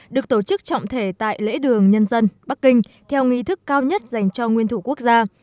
được tổ chức trọng thể tại lễ đường nhân dân bắc kinh theo nghi thức cao nhất dành cho nguyên thủ quốc gia